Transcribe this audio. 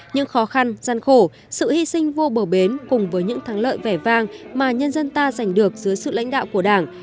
những khó khăn gian khổ sự hy sinh vô bờ bến cùng với những thắng lợi vẻ vang mà nhân dân ta giành được dưới sự lãnh đạo của đảng